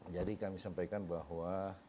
jadi kami sampaikan bahwa